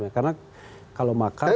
karena kalau makar pasti